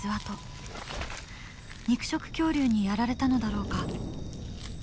肉食恐竜にやられたのだろうか。